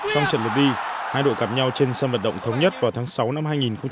trong trận lượt đi hai đội gặp nhau trên sân vận động thống nhất vào tháng sáu năm hai nghìn một mươi chín